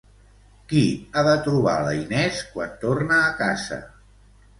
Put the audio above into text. Qui ha de trobar la Inés quan torna a casa?